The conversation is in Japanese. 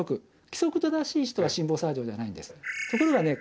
規則正しい人は心房細動じゃないんですところがね